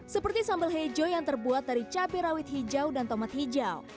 seperti sambal hijau yang terbuat dari cabai rawit hijau dan tomat hijau